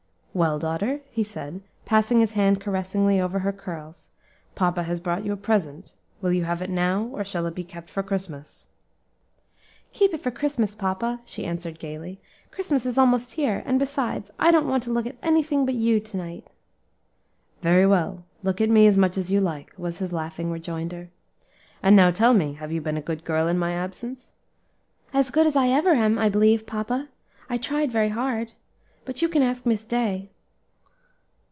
"Well, daughter," he said, passing his hand caressingly over her curls, "papa has brought you a present; will you have it now, or shall it be kept for Christmas?" "Keep it for Christmas, papa," she answered gayly. "Christmas is almost here, and besides, I don't want to look at anything but you to night." "Very well, look at me as much as you like," was his laughing rejoinder. "And now tell me, have you been a good girl in my absence?" "As good as I ever am, I believe, papa. I tried very hard; but you can ask Miss Day."